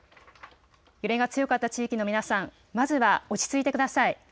揺れが強かった地域の皆さん、まずは落ち着いてください。